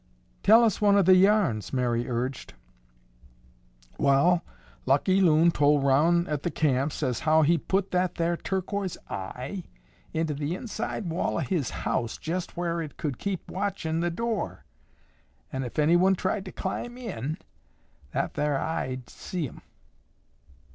"Tell us one of the yarns," Mary urged. "Wall, Lucky Loon tol' 'round at the camps, as how he'd put that thar turquoise eye into the inside wall o' his house jest whar it could keep watchin' the door, an' ef onyone tried to climb in, that thar eye'd see 'em!"